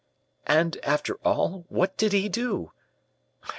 "And, after all, what did he do?